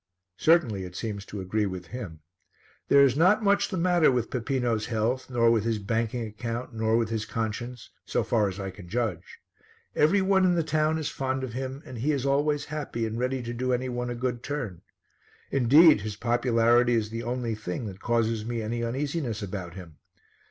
Certainly it seems to agree with him. There is not much the matter with Peppino's health nor with his banking account nor with his conscience, so far as I can judge. Every one in the town is fond of him and he is always happy and ready to do any one a good turn. Indeed, his popularity is the only thing that causes me any uneasiness about him.